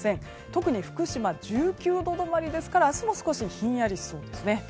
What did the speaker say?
特に福島、１９度止まりですから明日も少しひんやりしそうですね。